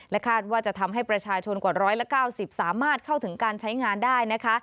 คาดว่าจะทำให้ประชาชนกว่า๑๙๐สามารถเข้าถึงการใช้งานได้นะคะ